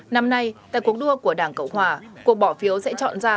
năm nay tại cuộc đua của đảng cộng hòa cuộc bỏ phiếu sẽ chọn ra tám trăm bảy mươi bốn